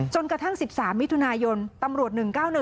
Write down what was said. กระทั่ง๑๓มิถุนายนตำรวจ๑๙๑